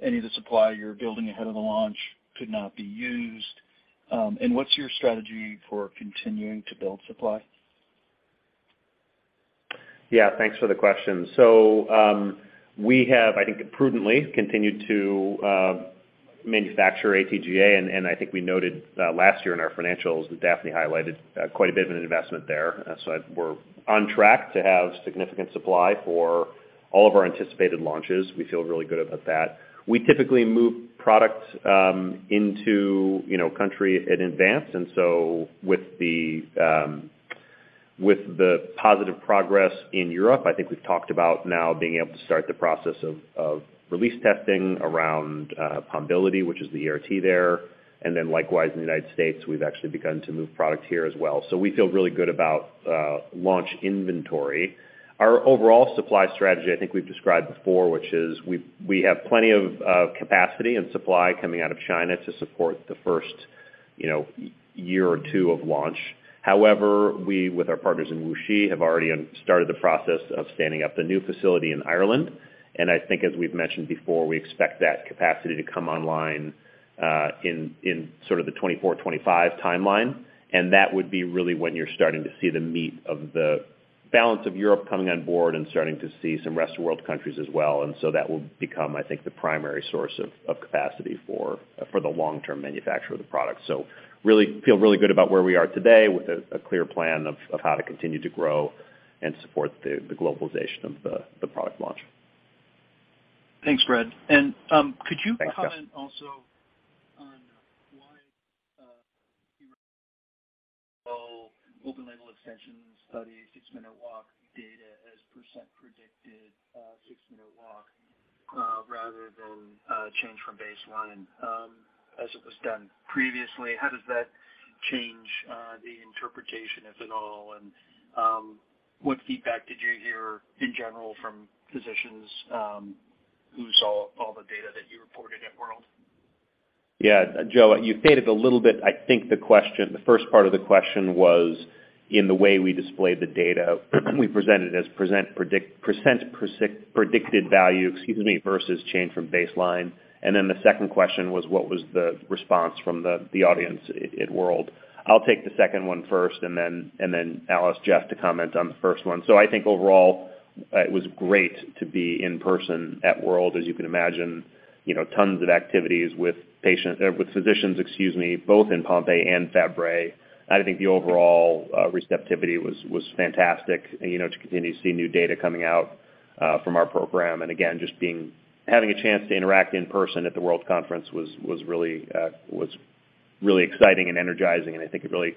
any of the supply you're building ahead of the launch could not be used? What's your strategy for continuing to build supply? Yeah. Thanks for the question. We have, I think prudently, continued to manufacture AT-GAA, and I think we noted last year in our financials that Daphne highlighted quite a bit of an investment there. We're on track to have significant supply for all of our anticipated launches. We feel really good about that. We typically move products, you know, into country in advance. With the positive progress in Europe, I think we've talked about now being able to start the process of release testing around Pombiliti, which is the ERT there. Likewise, in the United States, we've actually begun to move product here as well. We feel really good about launch inventory. Our overall supply strategy, I think we've described before, which is we have plenty of capacity and supply coming out of China to support the first, you know, year or two of launch. However, we, with our partners in WuXi, have already started the process of standing up the new facility in Ireland. I think as we've mentioned before, we expect that capacity to come online in sort of the 2024, 2025 timeline. That would be really when you're starting to see the meat of the balance of Europe coming on board and starting to see some rest of world countries as well. That will become, I think, the primary source of capacity for the long-term manufacture of the product. Feel really good about where we are today with a clear plan of how to continue to grow and support the globalization of the product launch. Thanks, Brad. Could you comment also on why you open label extension study 6-minute walk data as % predicted, 6-minute walk, rather than change from baseline, as it was done previously? How does that change the interpretation if at all? What feedback did you hear in general from physicians, who saw all the data that you reported at WORLDSymposium? Yeah, Joe, you faded a little bit, I think the question. The first part of the question was in the way we displayed the data. We presented as % predicted value, excuse me, versus change from baseline. The second question was what was the response from the audience at World. I'll take the second one first and then I'll ask Jeff to comment on the first one. I think overall, it was great to be in person at World. As you can imagine, you know, tons of activities with patient, or with physicians, excuse me, both in Pompe and Fabry. I think the overall receptivity was fantastic. You know, to continue to see new data coming out from our program. Again, just having a chance to interact in person at the World Conference was really exciting and energizing. I think it really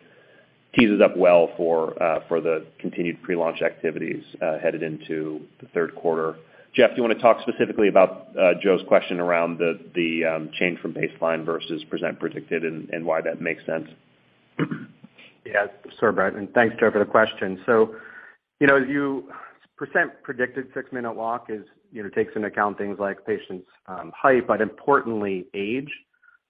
tees us up well for the continued pre-launch activities headed into the third quarter. Jeff, do you wanna talk specifically about Joe's question around the change from baseline versus percent predicted and why that makes sense? Yeah, sure, Brad. Thanks, Joe, for the question. You know, percent predicted six-minute walk is, you know, takes into account things like patients' height, but importantly, age.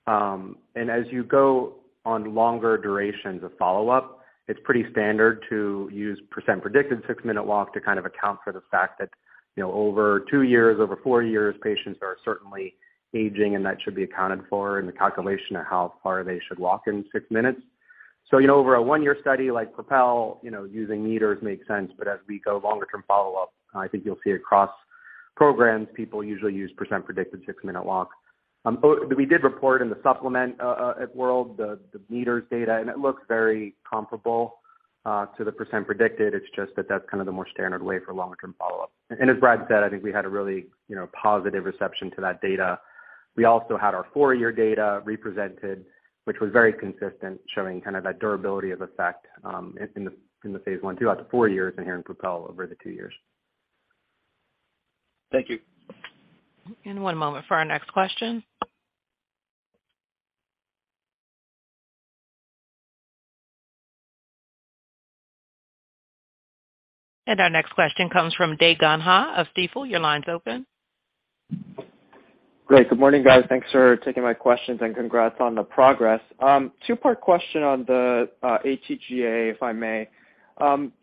As you go on longer durations of follow-up, it's pretty standard to use percent predicted six-minute walk to kind of account for the fact that, you know, over 2 years, over 4 years, patients are certainly aging, and that should be accounted for in the calculation of how far they should walk in 6 minutes. You know, over a 1-year study like PROPEL, you know, using meters makes sense. As we go longer term follow-up, I think you'll see across programs, people usually use percent predicted six-minute walks. We did report in the supplement at World the meters data, and it looks very comparable to the percent predicted. It's just that that's kind of the more standard way for longer-term follow-up. As Brad said, I think we had a really, you know, positive reception to that data. We also had our four-year data represented, which was very consistent, showing kind of that durability of effect in the phase 1, 2 out to four years and here in PROPEL over the two years. Thank you. One moment for our next question. Our next question comes from Dae Gon Ha of Stifel. Your line's open. Great. Good morning, guys. Thanks for taking my questions, and congrats on the progress. 2-part question on the AT-GAA, if I may.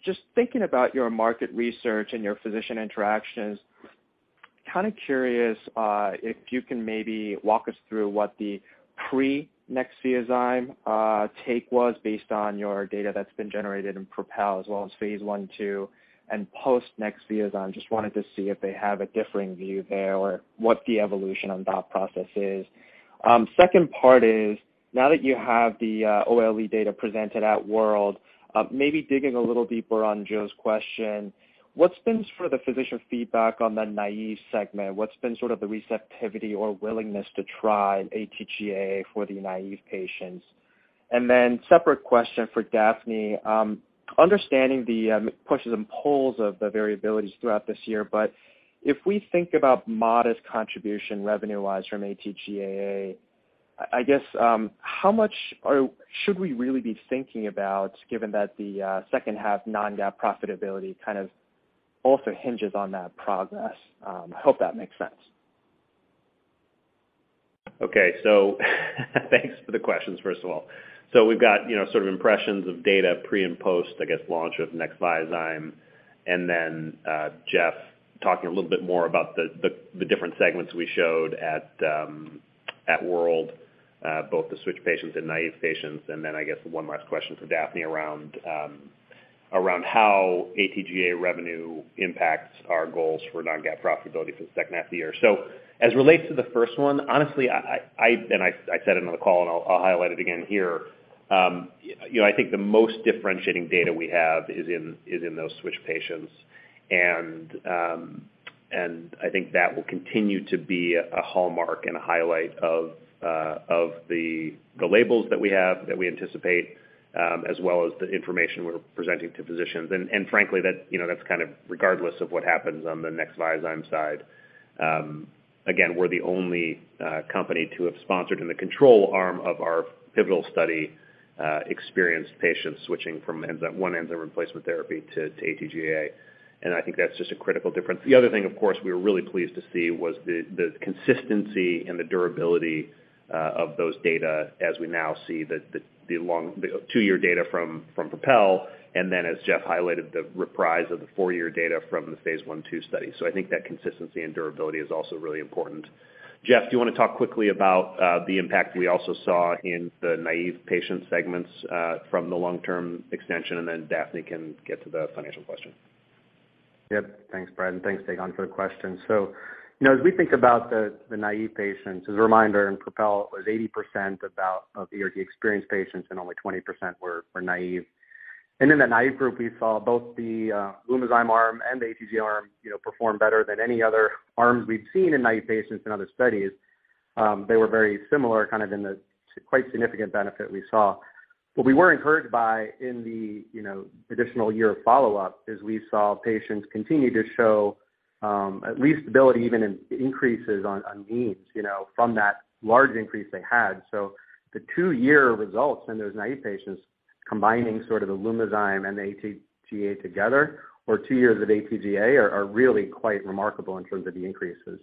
Just thinking about your market research and your physician interactions, kind of curious if you can maybe walk us through what the pre-Nexviazyme take was based on your data that's been generated in PROPEL as well as phase 1, 2, and post Nexviazyme. Just wanted to see if they have a differing view there or what the evolution on that process is. Second part is, now that you have the OLE data presented at World, maybe digging a little deeper on Joe's question, what's been for the physician feedback on the naive segment? What's been sort of the receptivity or willingness to try AT-GAA for the naive patients? Separate question for Daphne. Understanding the pushes and pulls of the variabilities throughout this year, but if we think about modest contribution revenue-wise from AT-GAA, I guess, how much should we really be thinking about given that the second half non-GAAP profitability kind of also hinges on that progress? I hope that makes sense. Thanks for the questions, first of all. We've got, you know, sort of impressions of data pre- and post, I guess, launch of Nexviazyme. Jeff talking a little bit more about the different segments we showed at World, both the switch patients and naive patients. I guess one last question for Daphne around how AT-GAA revenue impacts our goals for non-GAAP profitability for the second half of the year. As it relates to the first one, honestly, I said it on the call, and I'll highlight it again here. you know, I think the most differentiating data we have is in those switch patients. I think that will continue to be a hallmark and a highlight of the labels that we have, that we anticipate, as well as the information we're presenting to physicians. Frankly that, you know, that's kind of regardless of what happens on the Nexviazyme side. Again, we're the only company to have sponsored in the control arm of our pivotal study, experienced patients switching from 1 enzyme replacement therapy to AT-GAA. I think that's just a critical difference. The other thing, of course, we were really pleased to see was the consistency and the durability of those data as we now see the long, 2-year data from PROPEL, and then as Jeff highlighted, the reprise of the 4-year data from the Phase 1/2 study. I think that consistency and durability is also really important. Jeff, do you wanna talk quickly about the impact we also saw in the naive patient segments from the long-term extension, and then Daphne can get to the financial question? Yep. Thanks, Brad, and thanks, Dae Gon, for the question. you know, as we think about the naive patients, as a reminder in PROPEL, it was 80% about, of ERT-experienced patients, and only 20% were naive. In the naive group, we saw both the Lumizyme arm and the AT-GAA arm, you know, perform better than any other arms we've seen in naive patients in other studies. They were very similar kind of in the quite significant benefit we saw. What we were encouraged by in the, you know, additional year of follow-up is we saw patients continue to show at least stability even in increases on means, you know, from that large increase they had. The two-year results in those naive patients combining sort of the Lumizyme and the AT-GAA together, or two years of AT-GAA are really quite remarkable in terms of the increases.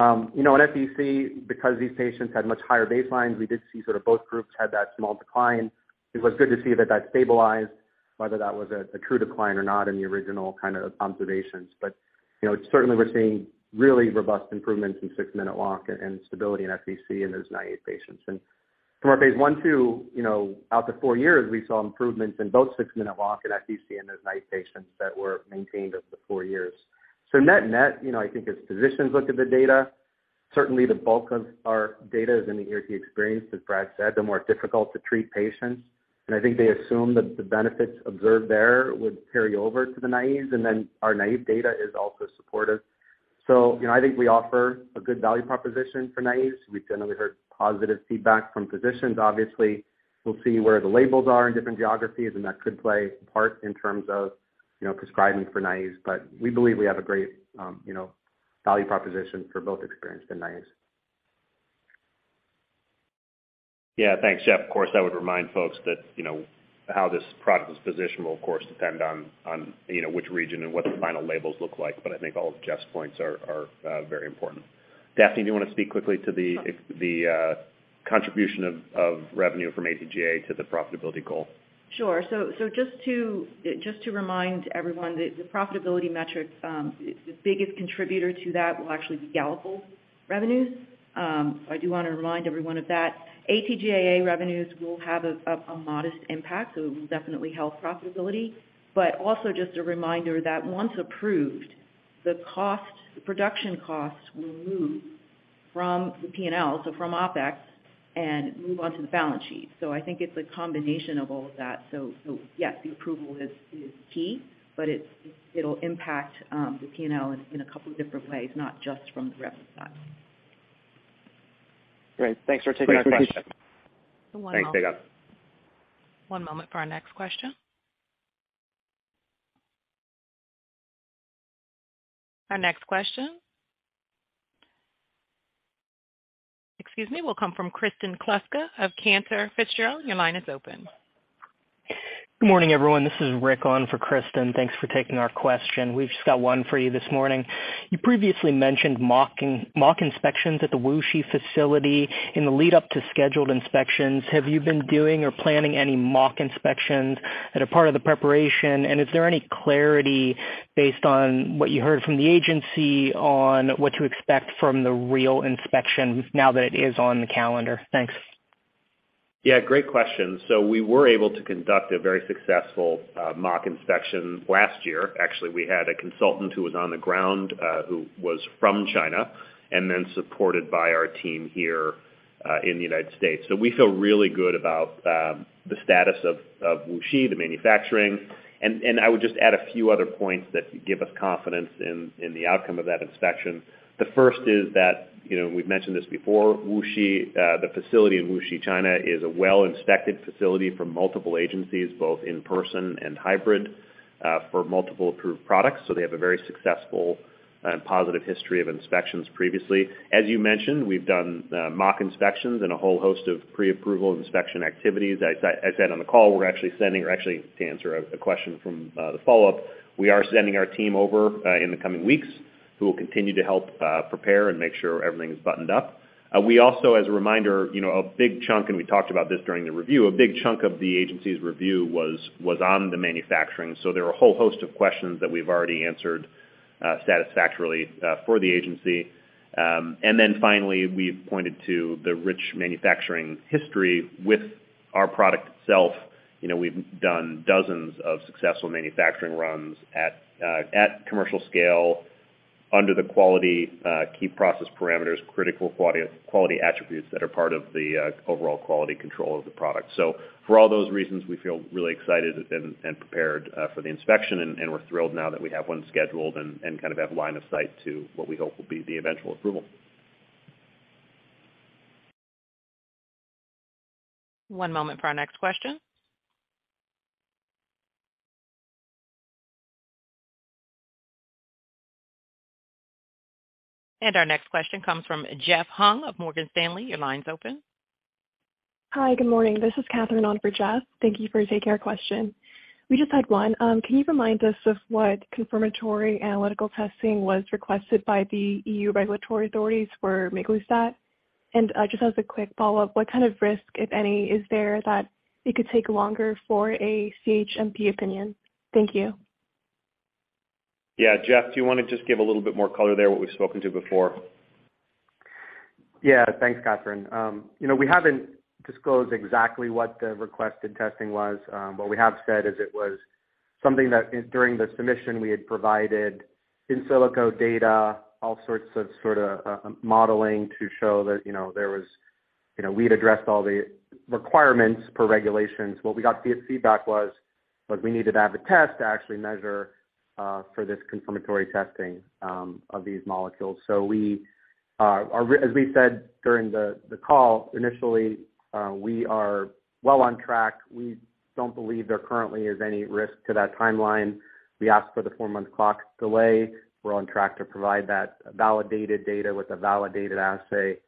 you know, in FVC, because these patients had much higher baselines, we did see sort of both groups had that small decline. It was good to see that that stabilized, whether that was a true decline or not in the original kind of observations. you know, certainly we're seeing really robust improvements in six-minute walk and stability in FVC in those naive patients. From our phase 1/2, you know, out to four years, we saw improvements in both six-minute walk and FVC in those naive patients that were maintained over the four years. Net-net, you know, I think as physicians look at the data, certainly the bulk of our data is in the ERT experience, as Brad said, the more difficult to treat patients. I think they assume that the benefits observed there would carry over to the naives, and then our naive data is also supportive. You know, I think we offer a good value proposition for naives. We've generally heard positive feedback from physicians. Obviously, we'll see where the labels are in different geographies, and that could play a part in terms of, you know, prescribing for naives. We believe we have a great, you know, value proposition for both experienced and naives. Yeah. Thanks, Jeff. Of course, I would remind folks that, you know, how this product is positioned will of course depend on, you know, which region and what the final labels look like, but I think all of Jeff's points are very important. Daphne Quimi, do you wanna speak quickly to the contribution of revenue from AT-GAA to the profitability goal? Sure. Just to remind everyone, the profitability metric, the biggest contributor to that will actually be Galafold revenues. I do wanna remind everyone of that. AT-GAA revenues will have a modest impact, so it will definitely help profitability. Also just a reminder that once approved, the production costs will move from the P&L, so from OpEx, and move on to the balance sheet. I think it's a combination of all of that. Yes, the approval is key, but it'll impact the P&L in a couple different ways, not just from the rev side. Great. Thanks for taking our question. Great. Appreciate it. One moment. Thanks, Dae Gon. One moment for our next question. Our next question, excuse me, will come from Kristen Kluska of Cantor Fitzgerald. Your line is open. Good morning, everyone. This is Rick on for Kristin. Thanks for taking our question. We've just got one for you this morning. You previously mentioned mock inspections at the WuXi facility. In the lead-up to scheduled inspections, have you been doing or planning any mock inspections that are part of the preparation? Is there any clarity based on what you heard from the agency on what to expect from the real inspection now that it is on the calendar? Thanks. Yeah, great question. We were able to conduct a very successful mock inspection last year. Actually, we had a consultant who was on the ground, who was from China and then supported by our team here, in the United States. We feel really good about the status of WuXi, the manufacturing. I would just add a few other points that give us confidence in the outcome of that inspection. The first is that, you know, we've mentioned this before, WuXi, the facility in WuXi, China, is a well-inspected facility from multiple agencies, both in person and hybrid, for multiple approved products. They have a very successful and positive history of inspections previously. As you mentioned, we've done mock inspections and a whole host of pre-approval inspection activities. As I said on the call, we're actually sending, or actually, to answer a question from the follow-up, we are sending our team over in the coming weeks, who will continue to help prepare and make sure everything is buttoned up. We also, as a reminder, you know, a big chunk, and we talked about this during the review, a big chunk of the agency's review was on the manufacturing. There are a whole host of questions that we've already answered satisfactorily for the agency. Finally, we've pointed to the rich manufacturing history with our product itself. You know, we've done dozens of successful manufacturing runs at commercial scale under the quality key process parameters, critical quality attributes that are part of the overall quality control of the product. For all those reasons, we feel really excited and prepared for the inspection, and we're thrilled now that we have one scheduled and kind of have line of sight to what we hope will be the eventual approval. One moment for our next question. Our next question comes from Jeff Hung of Morgan Stanley. Your line's open. Hi, good morning. This is Catherine on for Jeff. Thank you for taking our question. We just had one. Can you remind us of what confirmatory analytical testing was requested by the EU regulatory authorities for miglustat? Just as a quick follow-up, what kind of risk, if any, is there that it could take longer for a CHMP opinion? Thank you. Yeah. Jeff, do you wanna just give a little bit more color there what we've spoken to before? Thanks, Catherine. You know, we haven't disclosed exactly what the requested testing was, but we have said is it was something that during the submission, we had provided in silico data, all sorts of sort of modeling to show that, you know, there was, you know, we'd addressed all the requirements per regulations. What we got via feedback was we needed to have a test to actually measure for this confirmatory testing of these molecules. As we said during the call initially, we are well on track. We don't believe there currently is any risk to that timeline. We asked for the 4-month clock delay. We're on track to provide that validated data with a validated assay,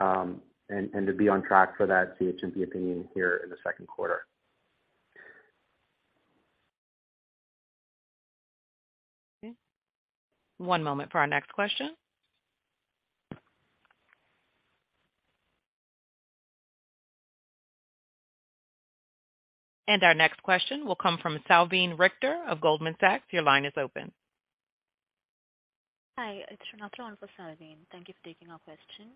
and to be on track for that CHMP opinion here in the second quarter. Okay. One moment for our next question. Our next question will come from Salveen Richter of Goldman Sachs. Your line is open. Hi, it's Renata on for Salveen. Thank you for taking our question.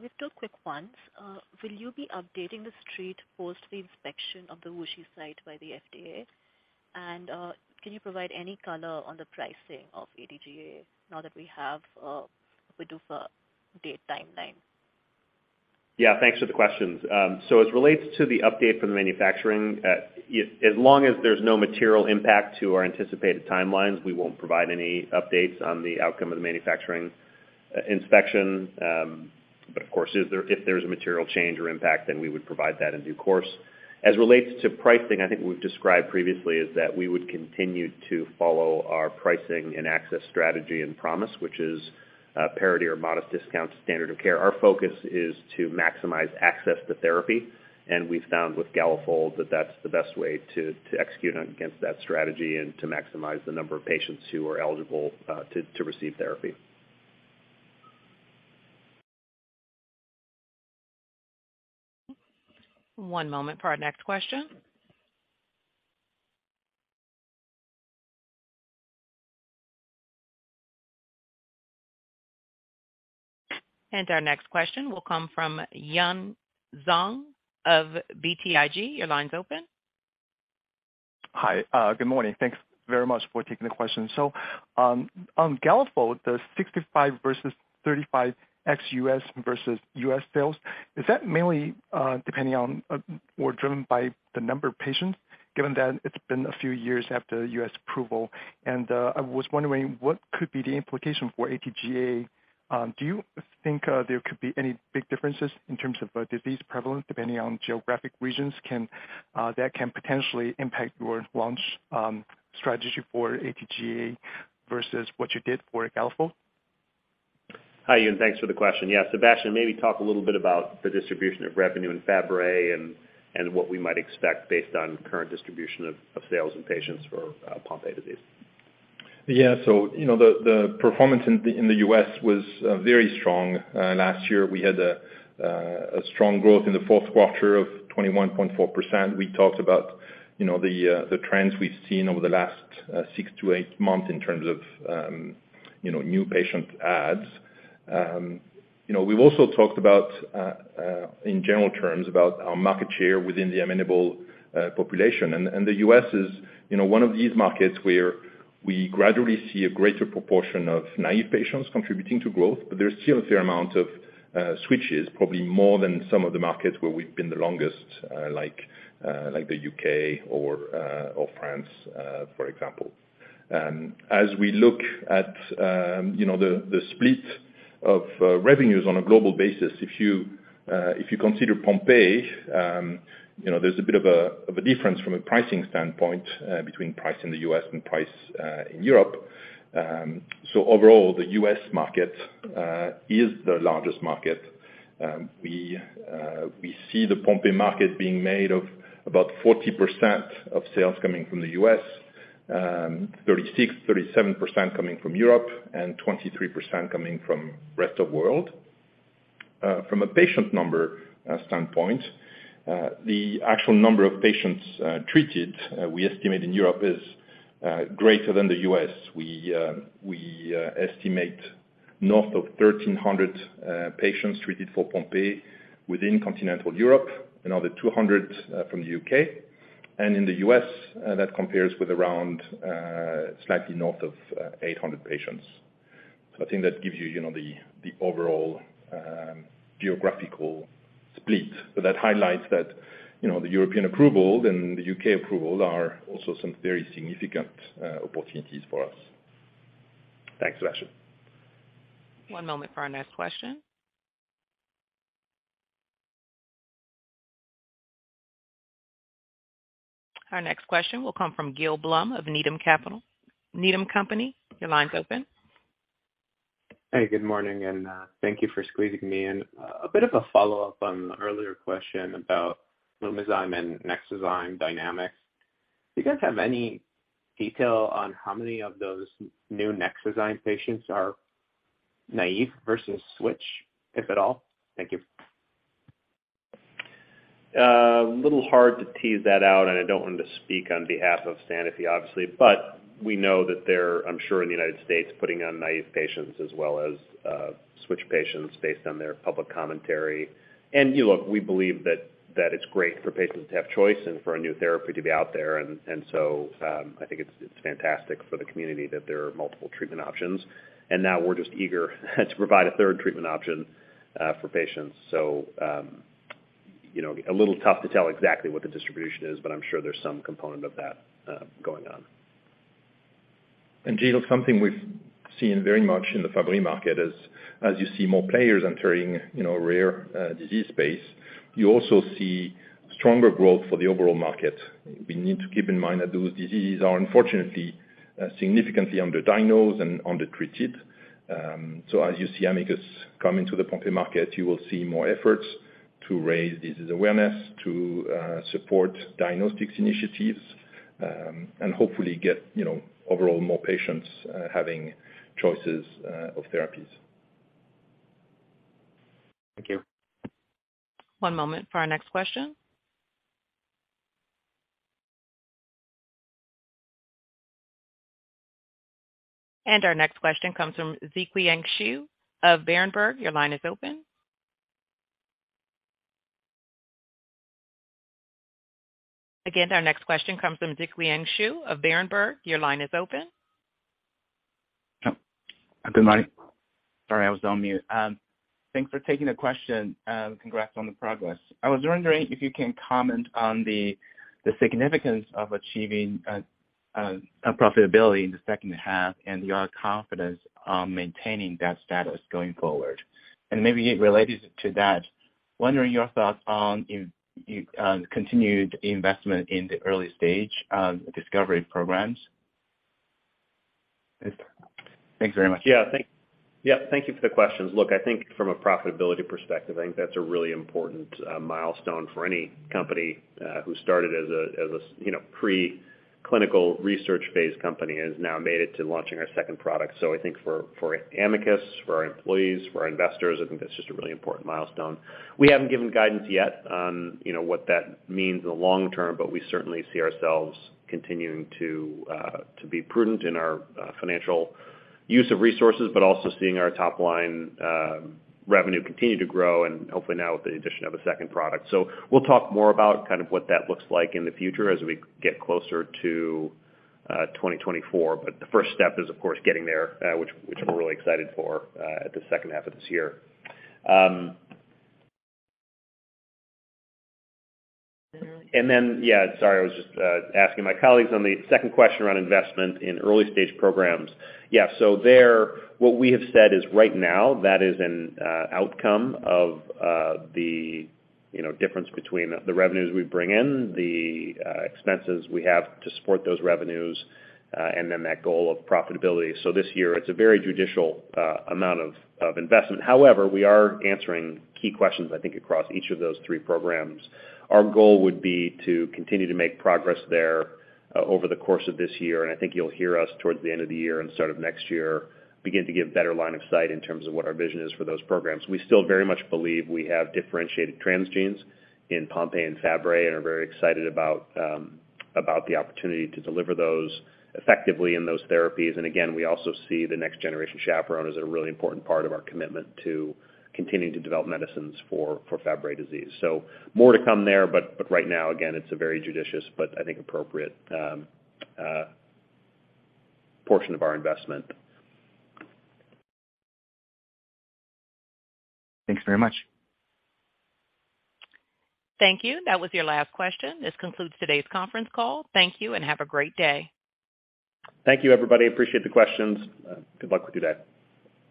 We've two quick ones. Will you be updating the street post the inspection of the Wuxi site by the FDA? Can you provide any color on the pricing of AT-GAA now that we have PDUFA date timeline? Yeah. Thanks for the questions. As it relates to the update for the manufacturing, as long as there's no material impact to our anticipated timelines, we won't provide any updates on the outcome of the manufacturing inspection. Of course, if there's a material change or impact, then we would provide that in due course. As it relates to pricing, I think we've described previously is that we would continue to follow our pricing and access strategy and promise, which is parity or modest discount standard of care. Our focus is to maximize access to therapy, and we've found with Galafold that that's the best way to execute against that strategy and to maximize the number of patients who are eligible to receive therapy. One moment for our next question. Our next question will come from Yun Zhong of BTIG. Your line's open. Hi, good morning. Thanks very much for taking the question. On Galafold, the 65 versus 35 ex-U.S. versus U.S. sales, is that mainly depending on or driven by the number of patients, given that it's been a few years after U.S. approval? I was wondering what could be the implication for AT-GAA. Do you think there could be any big differences in terms of disease prevalence depending on geographic regions? Can that can potentially impact your launch strategy for AT-GAA versus what you did for Galafold? Hi, Yun. Thanks for the question. Yeah, Sébastien, maybe talk a little bit about the distribution of revenue in Fabry and what we might expect based on current distribution of sales and patients for Pompe disease. Yeah. You know, the performance in the U.S. was very strong. Last year, we had a strong growth in the fourth quarter of 21.4%. We talked about, you know, the trends we've seen over the last 6 to 8 months in terms of, you know, new patient adds. You know, we've also talked about in general terms about our market share within the amenable population. The U.S. is, you know, one of these markets where we gradually see a greater proportion of naive patients contributing to growth, but there's still a fair amount of switches, probably more than some of the markets where we've been the longest, like the U.K. or France, for example. As we look at, you know, the split of revenues on a global basis, if you consider Pompe, you know, there's a bit of a difference from a pricing standpoint, between price in the U.S. and price in Europe. Overall, the U.S. market is the largest market. We see the Pompe market being made of about 40% of sales coming from the U.S., 36%, 37% coming from Europe, and 23% coming from rest of world. From a patient number standpoint, the actual number of patients treated, we estimate in Europe is greater than the U.S. We estimate north of 1,300 patients treated for Pompe within continental Europe. Another 200 from the U.K. In the US, that compares with around slightly north of 800 patients. I think that gives you know, the overall geographical split. That highlights that, you know, the European approval and the UK approval are also some very significant opportunities for us. Thanks, Sébastien. One moment for our next question. Our next question will come from Gil Blum of Needham & Company. Needham & Company, your line's open. Hey, good morning. Thank you for squeezing me in. A bit of a follow-up on the earlier question about Lumizyme and Nexviazyme dynamics. Do you guys have any detail on how many of those new Nexviazyme patients are naive versus switch, if at all? Thank you. A little hard to tease that out. I don't want to speak on behalf of Sanofi, obviously. We know that they're, I'm sure in the United States, putting on naive patients as well as switch patients based on their public commentary. You look, we believe that it's great for patients to have choice and for a new therapy to be out there. I think it's fantastic for the community that there are multiple treatment options. Now we're just eager to provide a third treatment option for patients. You know, a little tough to tell exactly what the distribution is, but I'm sure there's some component of that going on. Gil, something we've seen very much in the Fabry market is as you see more players entering, you know, a rare disease space, you also see stronger growth for the overall market. We need to keep in mind that those diseases are unfortunately, significantly under-diagnosed and under-treated. As you see Amicus come into the Pompe market, you will see more efforts to raise disease awareness, to support diagnostics initiatives, and hopefully get, you know, overall more patients having choices of therapies. Thank you. One moment for our next question. Our next question comes from Zhiqiang Shu of Berenberg. Your line is open. Again, our next question comes from Zhiqiang Shu of Berenberg. Your line is open. Good morning. Sorry, I was on mute. Thanks for taking the question, and congrats on the progress. I was wondering if you can comment on the significance of achieving a profitability in the second half and your confidence on maintaining that status going forward. Maybe related to that, wondering your thoughts on if you continued investment in the early stage discovery programs. Thanks very much. Thank you for the questions. Look, I think from a profitability perspective, I think that's a really important milestone for any company who started as a, you know, pre-clinical research-based company and has now made it to launching our second product. I think for Amicus, for our employees, for our investors, I think that's just a really important milestone. We haven't given guidance yet on, you know, what that means in the long term, but we certainly see ourselves continuing to be prudent in our financial use of resources, but also seeing our top line revenue continue to grow and hopefully now with the addition of a second product. We'll talk more about kind of what that looks like in the future as we get closer to 2024. The first step is, of course, getting there, which we're really excited for at the second half of this year. Sorry, I was just asking my colleagues on the second question around investment in early-stage programs. There, what we have said is right now, that is an outcome of the, you know, difference between the revenues we bring in, the expenses we have to support those revenues, and then that goal of profitability. This year, it's a very judicial amount of investment. We are answering key questions, I think, across each of those three programs. Our goal would be to continue to make progress there over the course of this year. I think you'll hear us towards the end of the year and start of next year, begin to give better line of sight in terms of what our vision is for those programs. We still very much believe we have differentiated transgenes in Pompe and Fabry and are very excited about the opportunity to deliver those effectively in those therapies. Again, we also see the next generation chaperones are a really important part of our commitment to continuing to develop medicines for Fabry disease. More to come there, but right now, again, it's a very judicious, but I think appropriate portion of our investment. Thanks very much. Thank you. That was your last question. This concludes today's conference call. Thank you and have a great day. Thank you, everybody. Appreciate the questions. Good luck with your day.